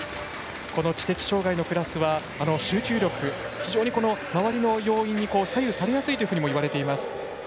この知的障がいのクラスは集中力非常に周りの要因に左右されやすいというふうにいわれています。